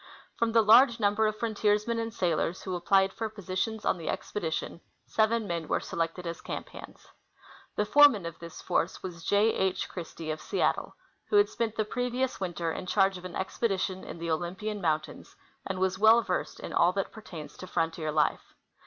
From the large number of frontiersmen and sailors who applied for positions on the expedition, seven men were selected as camp hands. The foreman of this force was J. H. Christie, of Seattle, who had spent the previous winter in charge of an ex pedition in the Olympian mountains, and was well versed in all that pertains to frontier life.